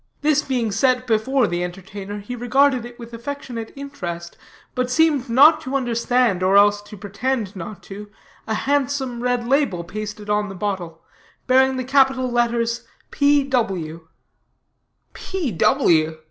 This being set before the entertainer, he regarded it with affectionate interest, but seemed not to understand, or else to pretend not to, a handsome red label pasted on the bottle, bearing the capital letters, P. W. "P. W.